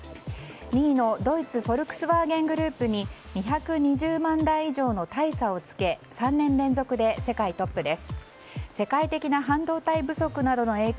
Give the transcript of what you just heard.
２位のドイツフォルクスワーゲングループに２２０万台以上の大差をつけ３年連続で世界トップです。